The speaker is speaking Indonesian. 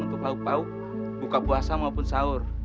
untuk lauk pauk buka puasa maupun sahur